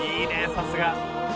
さすが！」